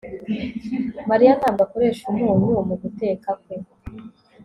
Mariya ntabwo akoresha umunyu muguteka kwe